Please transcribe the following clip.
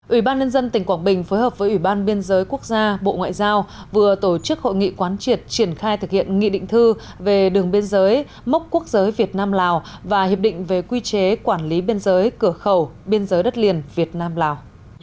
ủy ban nhân dân tỉnh quảng bình phối hợp với ủy ban biên giới quốc gia bộ ngoại giao vừa tổ chức hội nghị quán triệt triển khai thực hiện nghị định thư về đường biên giới mốc quốc giới việt nam lào và hiệp định về quy chế quản lý biên giới cửa khẩu biên giới đất liền việt nam lào